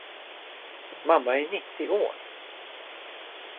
Mamma är nittio år.